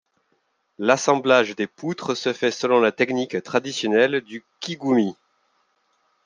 L'assemblage des poutres se fait selon la technique traditionnelle du kigumi.